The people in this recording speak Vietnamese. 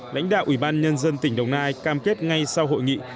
lãnh đạo ubnd tỉnh đồng nai cam kết ngay sau hội nghị